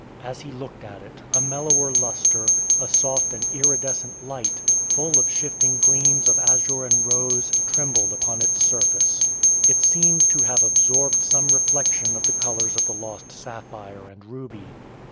As he looked at it, a mellower lustre, a soft and iridescent light, full of shifting gleams of azure and rose, trembled upon its surface. It seemed to have absorbed some reflection of the colours of the lost sapphire and ruby.